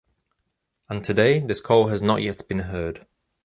And today, this call has not yet been heard.